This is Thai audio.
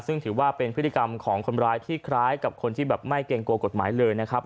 ซึ่งถือว่าเป็นพฤติกรรมของคนร้ายที่คล้ายกับคนที่แบบไม่เกรงกลัวกฎหมายเลยนะครับ